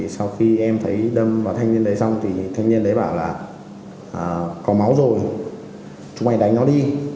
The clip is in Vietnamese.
sau khi em thấy đâm vào thanh niên đấy xong thanh niên đấy bảo là có máu rồi chúng mày đánh nó đi